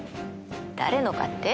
誰のかって？